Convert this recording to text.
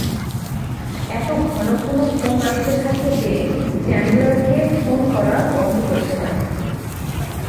এত ঘন ঘন ফোন আসতে থাকে যে, চ্যান্ডলারকে ফোন করা বন্ধ করতে হয়।